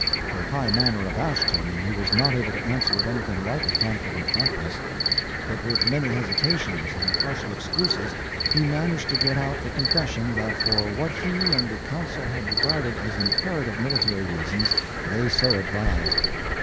Her high manner abashed him, and he was not able to answer with anything like a confident promptness, but with many hesitations and partial excuses he managed to get out the confession that for what he and the council had regarded as imperative military reasons they so advised.